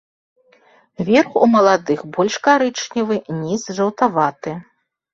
Верх у маладых больш карычневы, ніз жаўтаваты.